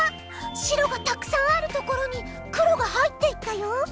白がたくさんあるところに黒が入っていったよ。